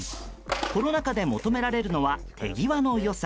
コロナ禍で求められるのは手際の良さ。